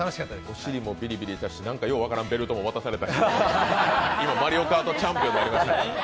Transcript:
お尻もピリピリしたし、何か分からんベルトも渡されたしマリオカートチャンピオンになりましたから。